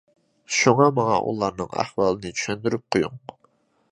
شۇڭا ماڭا ئۇلارنىڭ ئەھۋالىنى چۈشەندۈرۈپ قويۇڭ.